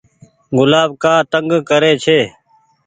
گلآب ڪآ تنگ ري ڇي۔